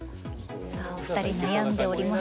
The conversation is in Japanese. さあお二人悩んでおります。